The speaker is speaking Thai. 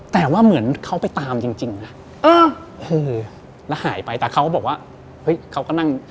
แต่ว่าเหมือนเขาไปตามจริงจริงนะแล้วหายไปแต่เขาก็บอกว่าเฮ้ยเขาก็นั่ง